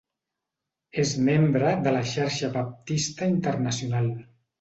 És membre de la Xarxa Baptista Internacional.